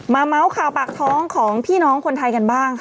เมาส์ข่าวปากท้องของพี่น้องคนไทยกันบ้างค่ะ